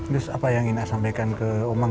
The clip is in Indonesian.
terus apa yang ina sampaikan ke omang